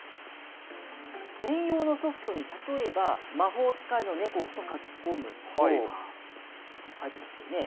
専用のソフトに例えば、魔法使いの猫と書き込むと、書いてますよね。